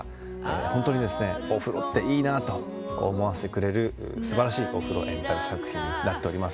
本当にお風呂っていいなと思わせてくれる素晴らしいお風呂エンタメ作品になっています。